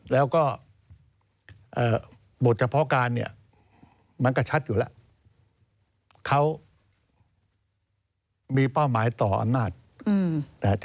แล้วก็บทเฉพาะการเนี่ยมันก็ชัดอยู่แล้วเขามีเป้าหมายต่ออำนาจ